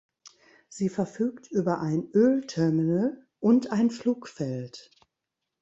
Sie verfügt über ein Ölterminal und ein Flugfeld.